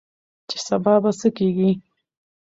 چې سبا به څه کيږي؟